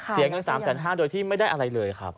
เสียเงิน๓๕๐๐บาทโดยที่ไม่ได้อะไรเลยครับ